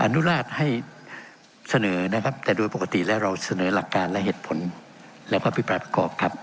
อนุญาตให้เสนอนะครับแต่โดยปกติแล้วเราเสนอหลักการและเหตุผลและอภิปรายประกอบครับ